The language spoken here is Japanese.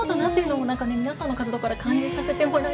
皆さんの活動から感じさせてもらいましたよね。